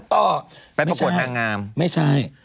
คุณตอบไม่ใช่ไม่ใช่ไปประบวนทางงาม